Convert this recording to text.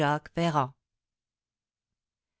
Jacques Ferrand.